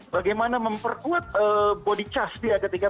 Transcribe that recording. bagaimana memperkuat body charge dia ketika